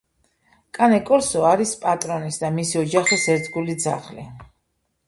კანე კორსო არის პატრონის და მისი ოჯახის ერთგული ძაღლი.